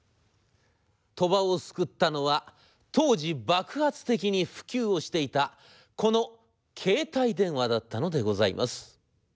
鳥羽を救ったのは当時爆発的に普及をしていたこの携帯電話だったのでございます」。